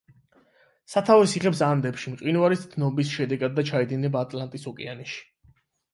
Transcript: სათავეს იღებს ანდებში, მყინვარის დნობის შედეგად და ჩაედინება ატლანტის ოკეანეში.